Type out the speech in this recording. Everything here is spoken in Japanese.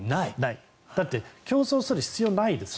だって競争する必要がないんです。